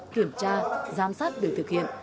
kiểm tra giám sát được thực hiện